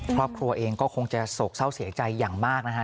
ครอบครัวเองก็คงจะโศกเศร้าเสียใจอย่างมากนะฮะ